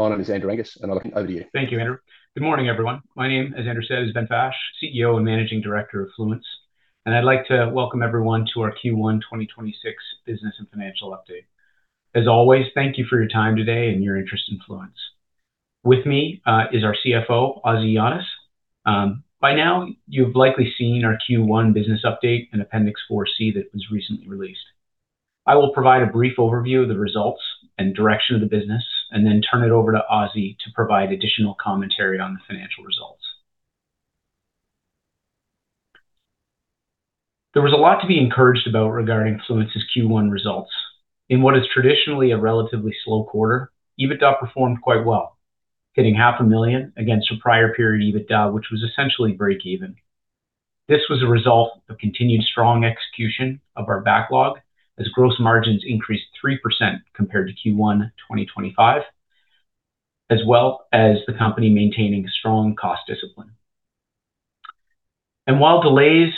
My name is Andrew Angus, and I'll hand over to you. Thank you, Andrew. Good morning, everyone. My name, as Andrew said, is Benjamin Fash, CEO and Managing Director of Fluence, and I'd like to welcome everyone to our Q1 2026 business and financial update. As always, thank you for your time today and your interest in Fluence. With me is our CFO, Osvaldo Llanes. By now you've likely seen our Q1 business update and Appendix 4C that was recently released. I will provide a brief overview of the results and direction of the business and then turn it over to Osvaldo to provide additional commentary on the financial results. There was a lot to be encouraged about regarding Fluence's Q1 results. In what is traditionally a relatively slow quarter, EBITDA performed quite well, hitting AUD half a million against the prior period EBITDA, which was essentially break-even. This was a result of continued strong execution of our backlog as gross margins increased 3% compared to Q1 2025, as well as the company maintaining strong cost discipline. While delays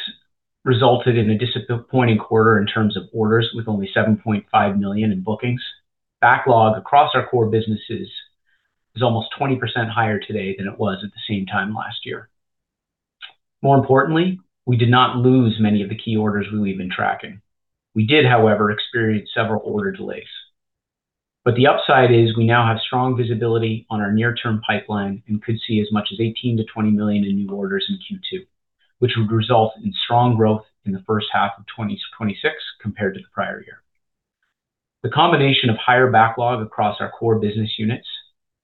resulted in a disappointing quarter in terms of orders with only 7.5 million in bookings, backlog across our core businesses is almost 20% higher today than it was at the same time last year. More importantly, we did not lose many of the key orders we've been tracking. We did, however, experience several order delays. The upside is we now have strong visibility on our near-term pipeline and could see as much as 18 million-20 million in new orders in Q2, which would result in strong growth in the first half of 2026 compared to the prior year. The combination of higher backlog across our core business units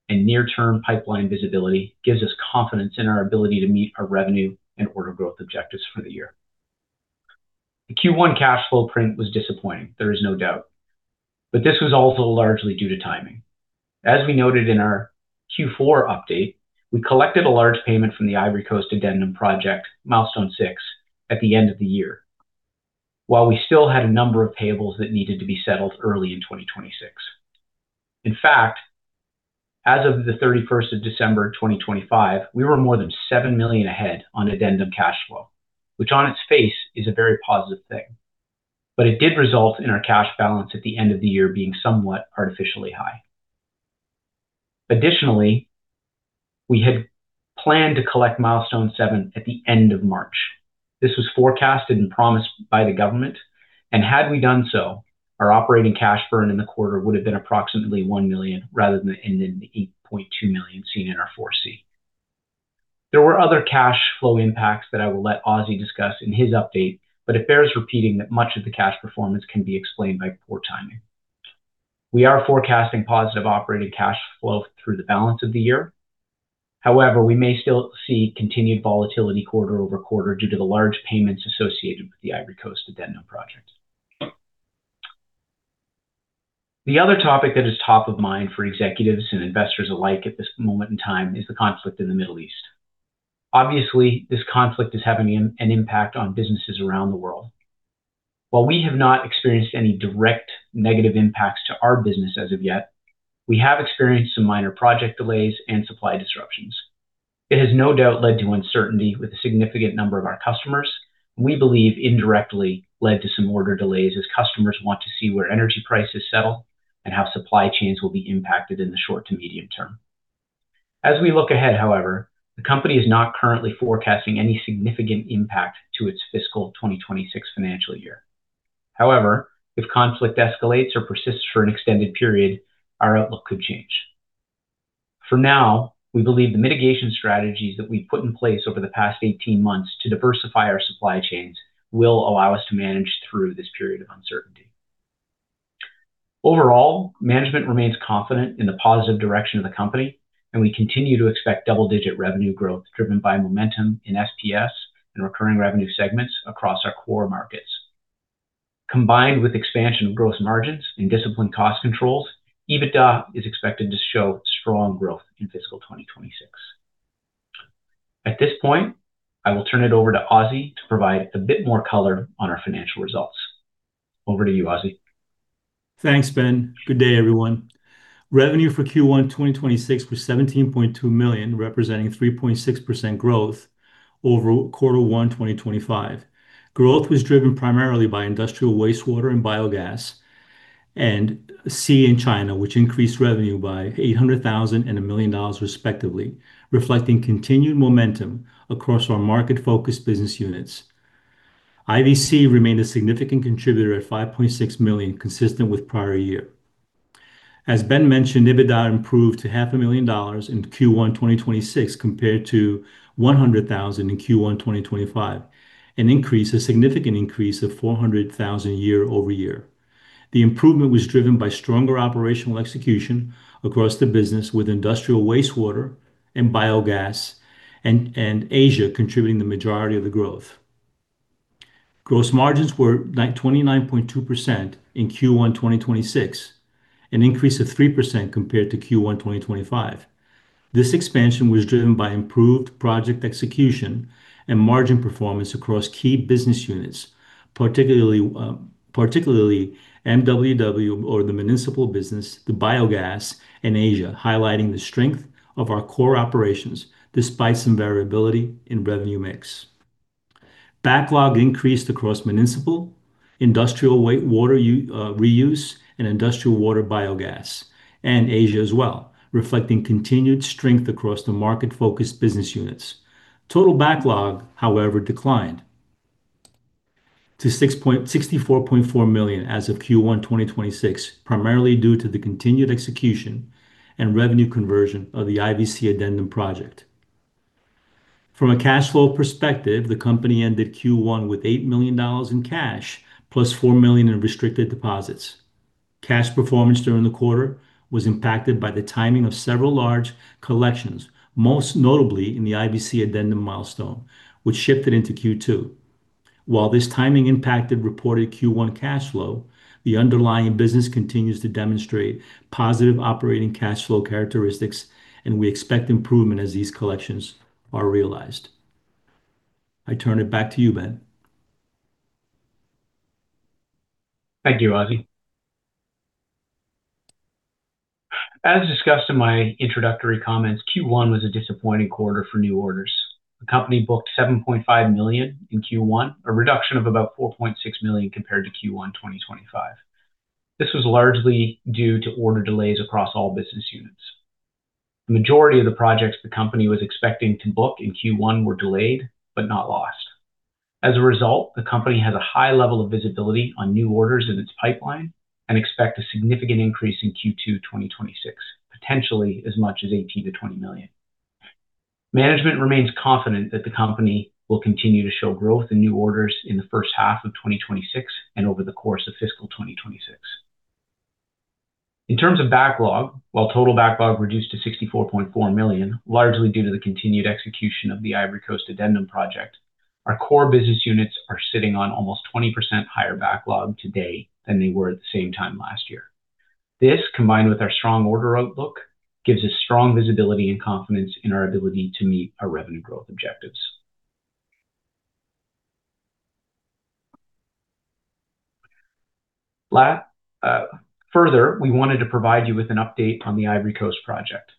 and near-term pipeline visibility gives us confidence in our ability to meet our revenue and order growth objectives for the year. The Q1 cash flow print was disappointing, there is no doubt. This was also largely due to timing. As we noted in our Q4 update, we collected a large payment from the Ivory Coast Addendum project, Milestone Six, at the end of the year, while we still had a number of payables that needed to be settled early in 2026. In fact, as of the 31st of December 2025, we were more than 7 million ahead on Addendum cash flow, which on its face is a very positive thing. It did result in our cash balance at the end of the year being somewhat artificially high. Additionally, we had planned to collect Milestone Seven at the end of March. This was forecasted and promised by the government. Had we done so, our operating cash burn in the quarter would have been approximately 1 million rather than the ending 8.2 million seen in our 4C. There were other cash flow impacts that I will let Ozzie discuss in his update, but it bears repeating that much of the cash performance can be explained by poor timing. We are forecasting positive operating cash flow through the balance of the year. However, we may still see continued volatility quarter over quarter due to the large payments associated with the Ivory Coast Addendum project. The other topic that is top of mind for executives and investors alike at this moment in time is the conflict in the Middle East. Obviously, this conflict is having an impact on businesses around the world. While we have not experienced any direct negative impacts to our business as of yet, we have experienced some minor project delays and supply disruptions. It has no doubt led to uncertainty with a significant number of our customers, and we believe indirectly led to some order delays as customers want to see where energy prices settle and how supply chains will be impacted in the short to medium term. As we look ahead, however, the company is not currently forecasting any significant impact to its fiscal 2026 financial year. However, if conflict escalates or persists for an extended period, our outlook could change. For now, we believe the mitigation strategies that we've put in place over the past 18 months to diversify our supply chains will allow us to manage through this period of uncertainty. Overall, management remains confident in the positive direction of the company, and we continue to expect double-digit revenue growth driven by momentum in SPS and recurring revenue segments across our core markets. Combined with expansion of gross margins and disciplined cost controls, EBITDA is expected to show strong growth in fiscal 2026. At this point, I will turn it over to Ozzie to provide a bit more color on our financial results. Over to you, Ozzie. Thanks, Ben. Good day, everyone. Revenue for Q1 2026 was 17.2 million, representing 3.6% growth over Q1 2025. Growth was driven primarily by industrial wastewater and biogas, and CNI China, which increased revenue by 800,000 and 1 million dollars respectively, reflecting continued momentum across our market-focused business units. IVC remained a significant contributor at 5.6 million, consistent with prior year. As Ben mentioned, EBITDA improved to half a million dollars in Q1 2026 compared to 100,000 in Q1 2025, a significant increase of 400,000 year-over-year. The improvement was driven by stronger operational execution across the business with industrial wastewater and biogas and Asia contributing the majority of the growth. Gross margins were 29.2% in Q1 2026, an increase of 3% compared to Q1 2025. This expansion was driven by improved project execution and margin performance across key business units, particularly MWW or the municipal business, the biogas in Asia, highlighting the strength of our core operations despite some variability in revenue mix. Backlog increased across municipal, industrial waste water reuse and industrial water biogas, and Asia as well, reflecting continued strength across the market-focused business units. Total backlog, however, declined to 64.4 million as of Q1 2026, primarily due to the continued execution and revenue conversion of the IVC Addendum project. From a cash flow perspective, the company ended Q1 with 8 million dollars in cash, plus 4 million in restricted deposits. Cash performance during the quarter was impacted by the timing of several large collections, most notably in the IVC Addendum milestone, which shifted into Q2. While this timing impacted reported Q1 cash flow, the underlying business continues to demonstrate positive operating cash flow characteristics, and we expect improvement as these collections are realized. I turn it back to you, Ben. Thank you, Ozzie. As discussed in my introductory comments, Q1 was a disappointing quarter for new orders. The company booked 7.5 million in Q1, a reduction of about 4.6 million compared to Q1 2025. This was largely due to order delays across all business units. The majority of the projects the company was expecting to book in Q1 were delayed but not lost. As a result, the company has a high level of visibility on new orders in its pipeline and expect a significant increase in Q2 2026, potentially as much as 18 million-20 million. Management remains confident that the company will continue to show growth in new orders in the first half of 2026 and over the course of fiscal 2026. In terms of backlog, while total backlog reduced to 64.4 million, largely due to the continued execution of the Ivory Coast Addendum project, our core business units are sitting on almost 20% higher backlog today than they were at the same time last year. This, combined with our strong order outlook, gives us strong visibility and confidence in our ability to meet our revenue growth objectives. Further, we wanted to provide you with an update on the Ivory Coast project.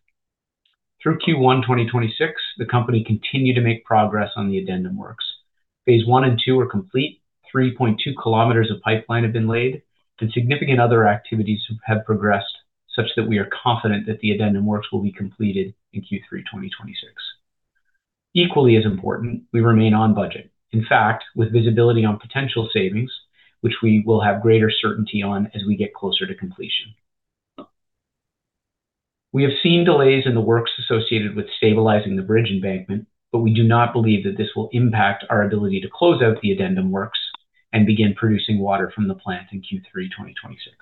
Through Q1 2026, the company continued to make progress on the Addendum works. Phase 1 and 2 are complete. 3.2 kilometers of pipeline have been laid and significant other activities have progressed such that we are confident that the Addendum works will be completed in Q3 2026. Equally as important, we remain on budget. In fact, with visibility on potential savings, which we will have greater certainty on as we get closer to completion. We have seen delays in the works associated with stabilizing the bridge embankment, but we do not believe that this will impact our ability to close out the Addendum works and begin producing water from the plant in Q3 2026.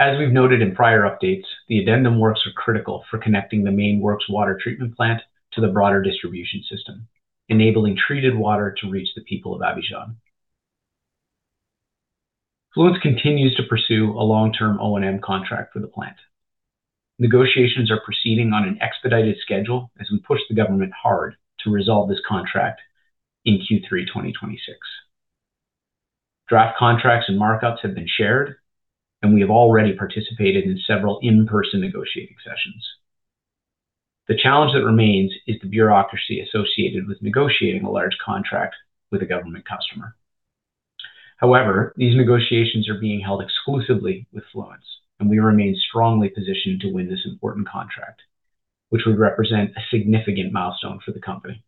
As we've noted in prior updates, the Addendum works are critical for connecting the main works water treatment plant to the broader distribution system, enabling treated water to reach the people of Abidjan. Fluence continues to pursue a long-term O&M contract for the plant. Negotiations are proceeding on an expedited schedule as we push the government hard to resolve this contract in Q3 2026. Draft contracts and markups have been shared, and we have already participated in several in-person negotiating sessions. The challenge that remains is the bureaucracy associated with negotiating a large contract with a government customer. However, these negotiations are being held exclusively with Fluence, and we remain strongly positioned to win this important contract, which would represent a significant milestone for the company.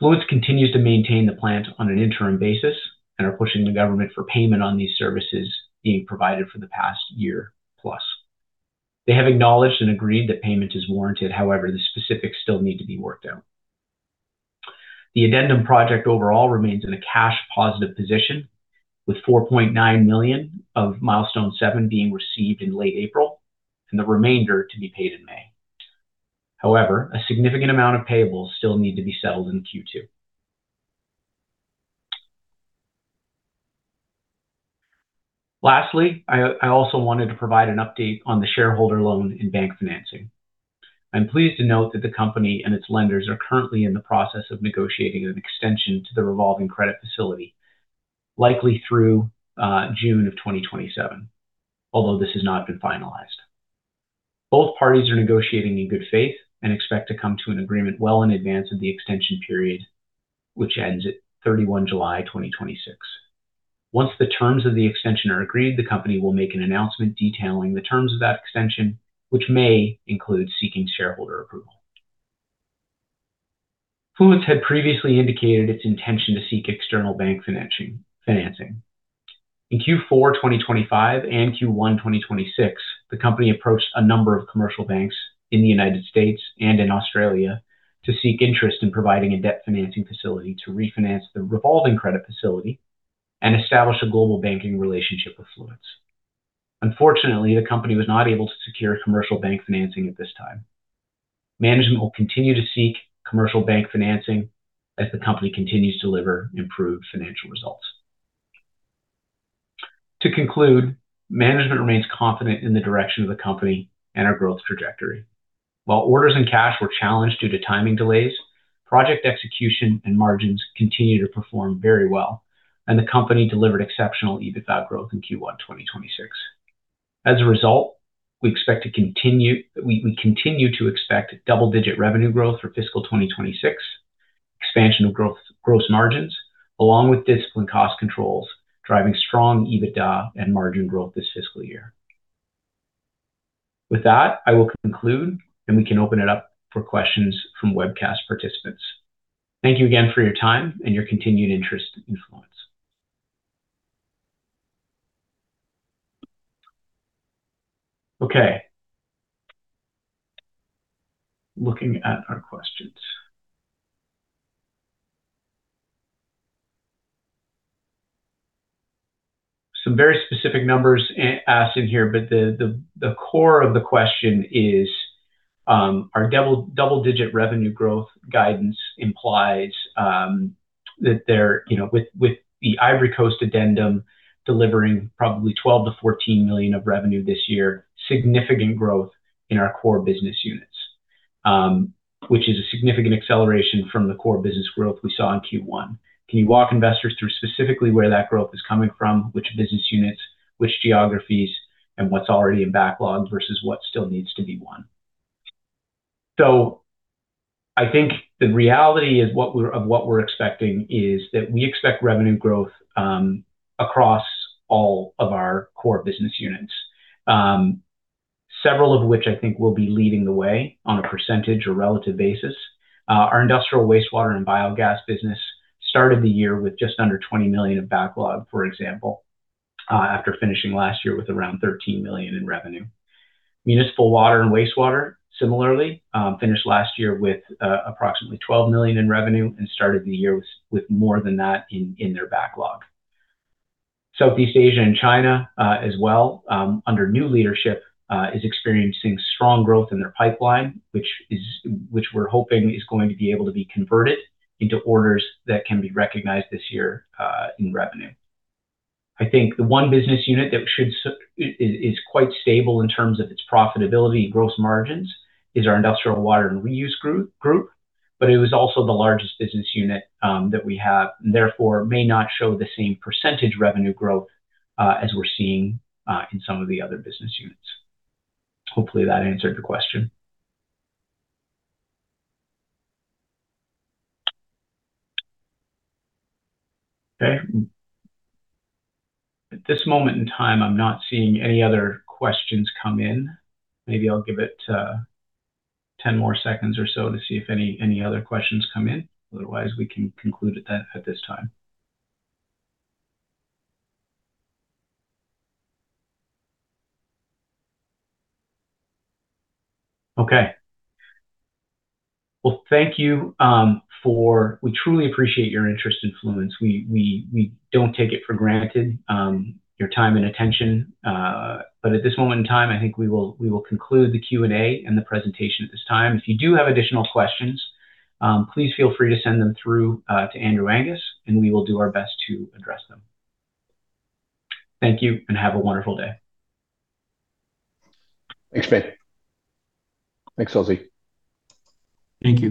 Fluence continues to maintain the plant on an interim basis and are pushing the government for payment on these services being provided for the past year plus. They have acknowledged and agreed that payment is warranted. However, the specifics still need to be worked out. The Addendum project overall remains in a cash positive position, with 4.9 million of Milestone Seven being received in late April and the remainder to be paid in May. However, a significant amount of payables still need to be settled in Q2. Lastly, I also wanted to provide an update on the shareholder loan and bank financing. I'm pleased to note that the company and its lenders are currently in the process of negotiating an extension to the revolving credit facility, likely through June of 2027, although this has not been finalized. Both parties are negotiating in good faith and expect to come to an agreement well in advance of the extension period, which ends at 31 July 2026. Once the terms of the extension are agreed, the company will make an announcement detailing the terms of that extension, which may include seeking shareholder approval. Fluence had previously indicated its intention to seek external bank financing. In Q4 2025 and Q1 2026, the company approached a number of commercial banks in the U.S. and in Australia to seek interest in providing a debt financing facility to refinance the revolving credit facility and establish a global banking relationship with Fluence. Unfortunately, the company was not able to secure commercial bank financing at this time. Management will continue to seek commercial bank financing as the company continues to deliver improved financial results. To conclude, management remains confident in the direction of the company and our growth trajectory. While orders and cash were challenged due to timing delays, project execution and margins continue to perform very well, and the company delivered exceptional EBITDA growth in Q1 2026. As a result, we continue to expect double-digit revenue growth for fiscal 2026, expansion of gross margins, along with disciplined cost controls, driving strong EBITDA and margin growth this fiscal year. With that, I will conclude, and we can open it up for questions from webcast participants. Thank you again for your time and your continued interest in Fluence. Okay. Looking at our questions. The core of the question is, our double-digit revenue growth guidance implies that there, you know, with the Ivory Coast Addendum delivering probably 12 million-14 million of revenue this year, significant growth in our core business units, which is a significant acceleration from the core business growth we saw in Q1. Can you walk investors through specifically where that growth is coming from, which business units, which geographies, and what's already in backlog versus what still needs to be won? I think the reality is what we're expecting is that we expect revenue growth across all of our core business units. Several of which I think will be leading the way on a percentage or relative basis. Our industrial wastewater and biogas business started the year with just under 20 million of backlog, for example, after finishing last year with around 13 million in revenue. Municipal water and wastewater similarly finished last year with approximately 12 million in revenue and started the year with more than that in their backlog. Southeast Asia and China as well, under new leadership, is experiencing strong growth in their pipeline, which we're hoping is going to be able to be converted into orders that can be recognized this year in revenue. I think the one business unit that is quite stable in terms of its profitability and gross margins is our industrial water and reuse group, but it was also the largest business unit that we have, and therefore may not show the same percentage revenue growth as we're seeing in some of the other business units. Hopefully, that answered the question. Okay. At this moment in time, I'm not seeing any other questions come in. Maybe I'll give it 10 more seconds or so to see if any other questions come in. Otherwise, we can conclude at this time. Okay. Thank you. We truly appreciate your interest in Fluence. We don't take it for granted, your time and attention. At this moment in time, I think we will conclude the Q&A and the presentation at this time. If you do have additional questions, please feel free to send them through to Andrew Angus, and we will do our best to address them. Thank you, and have a wonderful day. Thanks, Ben. Thanks, Ozzie. Thank you.